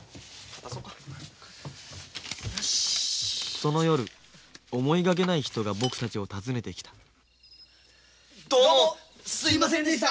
その夜思いがけない人が僕たちを訪ねてきたどうもすいませんでした！